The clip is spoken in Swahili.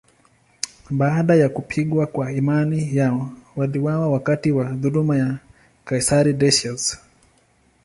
Baada ya kupigwa kwa imani yao, waliuawa wakati wa dhuluma ya kaisari Decius.